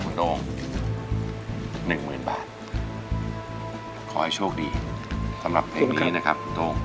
คุณโด่งหนึ่งหมื่นบาทขอให้โชคดีสำหรับเพลงนี้นะครับคุณโด่ง